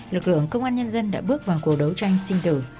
lực lượng công an nhân dân đã bước vào cuộc đấu tranh sinh tử